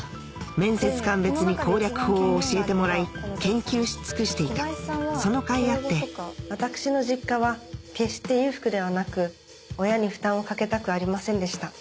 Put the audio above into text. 面接官別に攻略法を教えてもらい研究し尽くしていたその甲斐あって私の実家は決して裕福ではなく親に負担をかけたくありませんでした。